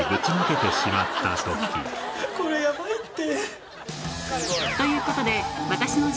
これやばいって。